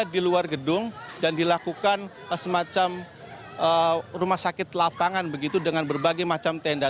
di luar gedung dan dilakukan semacam rumah sakit lapangan begitu dengan berbagai macam tenda